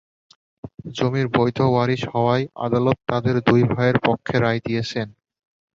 জমির বৈধ ওয়ারিশ হওয়ায় আদালত তাঁদের দুই ভাইয়ের পক্ষে রায় দিয়েছেন।